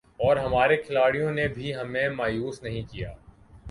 اور ہمارے کھلاڑیوں نے بھی ہمیں مایوس نہیں کیا